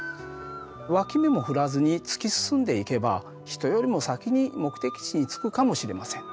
脇目も振らずに突き進んでいけば人よりも先に目的地に着くかもしれません。